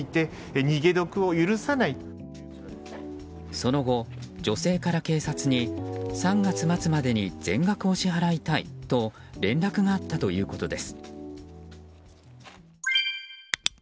その後、女性から警察に３月末までに全額を支払いたいと連絡があったということです。